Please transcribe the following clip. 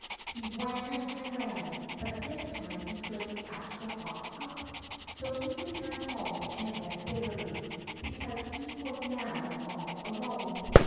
He ran and ran, but this time he couldn't catch the fox up; so he returned home and wept bitterly, because he was now all alone.